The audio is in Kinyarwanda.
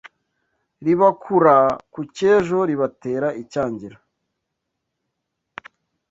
Ribakura ku cy,ejo ribatera icyangiro